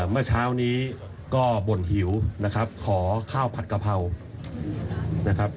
เมื่อเช้านี้ก็บ่นหิวนะครับขอข้าวผัดกะเพรานะครับ